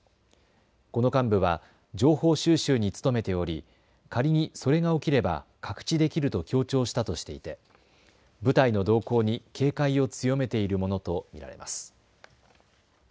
この幹部は情報収集に努めており仮にそれが起きれば覚知できると強調したとしていて部隊の動向に警戒を強めているものと見られます。